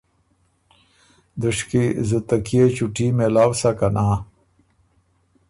دُشکی زُته کيې چُوټي مېلاؤ سۀ که نا۔